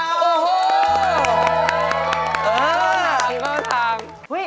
อือดรสสัตว์